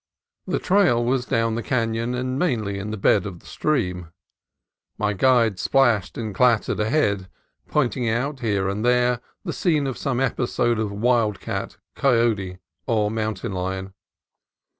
The trail was down the canon and mainly in the bed of the stream. My guide splashed and clattered ahead, pointing out here and there the scene of some episode of wild cat, coyote, or mountain lion.